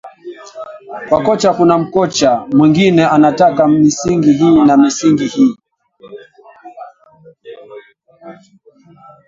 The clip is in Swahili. kwa kocha kuna mkocha mwengine anataka misingi hii na misingi hii